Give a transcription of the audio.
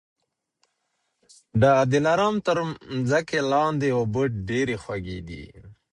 د دلارام تر مځکې لاندي اوبه ډېري خوږې دي